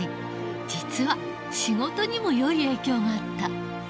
実は仕事にも良い影響があった。